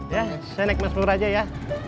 ya saya naik mas pelur aja ya